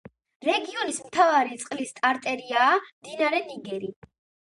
რეგიონის მთავარი წყლის არტერიაა მდინარე ნიგერი.